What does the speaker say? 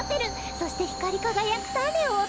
そしてひかりかがやくたねをおとす。